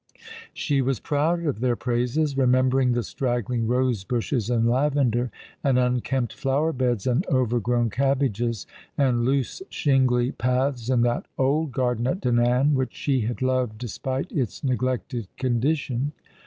She was proud of their praises, remembering the straggling rose bushes and lavender, and unkempt flower beds, and overgrown cabbages, and loose shingly paths in that old garden at Dinan, which she had loved despite its neglected condition.